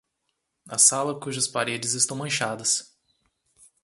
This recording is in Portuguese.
A sala cujas paredes estão manchadas.